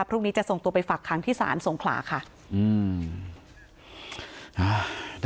พรุ่งนี้จะส่งตัวไปฝักค้างที่ศาลสงขลาค่ะอืมอ่า